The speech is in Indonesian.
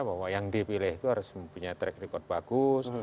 bahwa yang dipilih itu harus mempunyai track record bagus